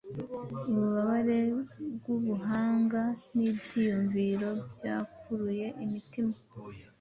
ububabare bwubuhanga nibyiyumvo byakuruye imitima